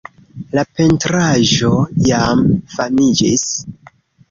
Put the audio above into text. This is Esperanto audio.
La pentraĵo jam famiĝis.